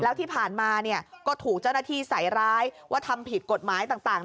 แล้วที่ผ่านมาเนี่ยก็ถูกเจ้าหน้าที่ใส่ร้ายว่าทำผิดกฎหมายต่าง